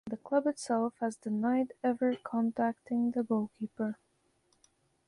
The club itself has denied ever contacting the goalkeeper.